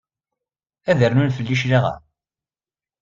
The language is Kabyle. Ad rnun fell-i cclaɣem?